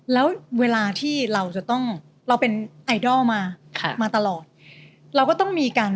แล้วเวลาที่เราหมายเป็น